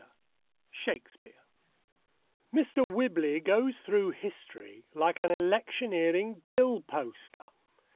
(2) SHAKESPEARE Mr. Whibley goes through history like an electioneering bill poster.